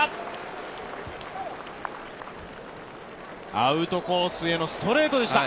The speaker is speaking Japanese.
アウトコースへのストレートでした。